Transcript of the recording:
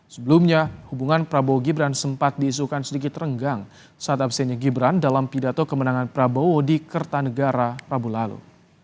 sebelumnya hubungan prabowo gibran sempat diisukan sedikit renggang saat absennya gibran dalam pidato kemenangan prabowo di kertanegara rabu lalu